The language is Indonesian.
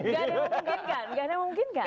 nggak ada yang memungkinkan